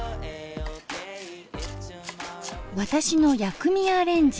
私の薬味アレンジ。